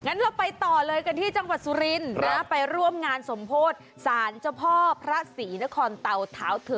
เราไปต่อเลยกันที่จังหวัดสุรินทร์นะไปร่วมงานสมโพธิสารเจ้าพ่อพระศรีนครเตาเท้าเธอ